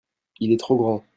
il est trop grand.